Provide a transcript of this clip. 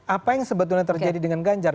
apa yang sebetulnya terjadi dengan ganjar